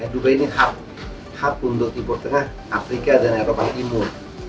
dubai ini hak untuk timur tengah afrika dan eropa timur